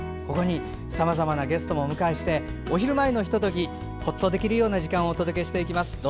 ここにさまざまなゲストもお迎えして、お昼前のひとときほっとできるような時間をお届けします。